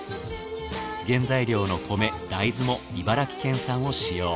原材料の米大豆も茨城県産を使用。